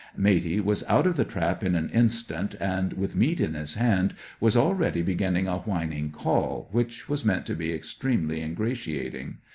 Matey was out of the trap in an instant, and, with meat in his hand, was already beginning a whining call, which was meant to be extremely ingratiating.